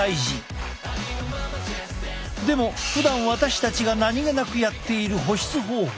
でもふだん私たちが何気なくやっている保湿方法